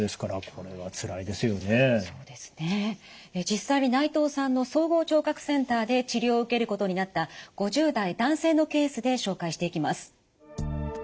実際に内藤さんの総合聴覚センターで治療を受けることになった５０代男性のケースで紹介していきます。